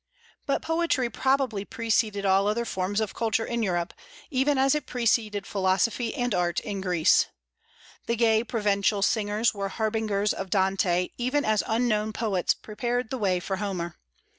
But poetry probably preceded all other forms of culture in Europe, even as it preceded philosophy and art in Greece. The gay Provencal singers were harbingers of Dante, even as unknown poets prepared the way for Homer.